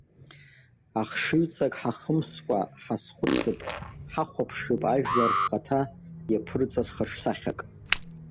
Ахшыҩҵак ҳахымскәа, ҳазхәыцып, ҳахәаԥшып ажәлар рхаҭа иаԥырҵаз хаҿсахьак.